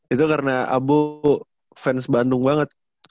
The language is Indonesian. itu karena abu fans bandung banget